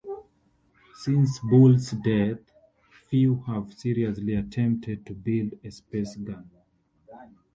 Since Bull's death, few have seriously attempted to build a space gun.